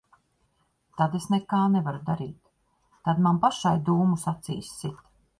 Tad es nekā nevaru darīt. Tad man pašai dūmus acīs sit.